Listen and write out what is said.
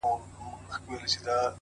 هره هڅه د بریا لور ته تمایل دی